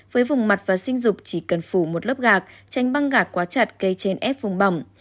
với vùng mặt và sinh dục chỉ cần phủ một lớp gạc tránh băng gạc quá chặt gây trên ép vùng bỏng